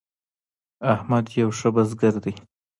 احمد یو ښه بزګر دی.